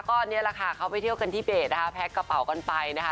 ก็นี่แหละค่ะเขาไปเที่ยวกันที่เบสนะคะแพ็กกระเป๋ากันไปนะคะ